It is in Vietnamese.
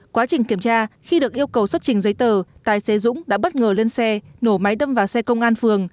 quá trình kiểm tra khi được yêu cầu xuất trình giấy tờ tài xế dũng đã bất ngờ lên xe nổ máy đâm vào xe công an phường